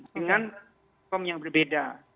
dengan com yang berbeda